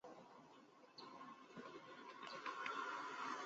后废广长郡。